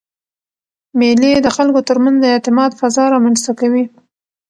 مېلې د خلکو ترمنځ د اعتماد فضا رامنځ ته کوي.